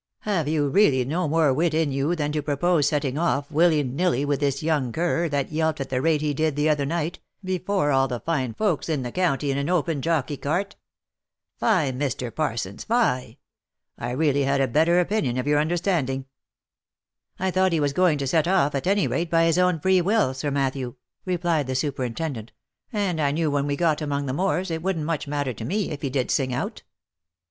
Have you really no more wit in you than to propose setting off, willy nilly, with this young cur, that yelped at the rate he did the other night, before all the fine folks in the county, in an open jockey cart? Fie, Mr. Parsons, fie !— I really had a better opinion of your under standing." " I thought he was going to set off, at any rate, by his own free will, Sir Matthew," replied the superintendent, " and I knew when we got among the moors, it wouldn't much matter to me, if he did sing out."